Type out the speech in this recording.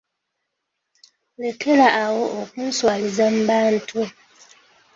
Lekera awo okunswaliza mu bantu.